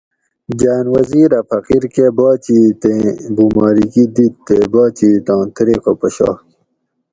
گاۤن وزیر اۤ فقیر کہۤ باچیتیں بُمارکِی دِت تے باچیٔتاں طریقہ پشاگ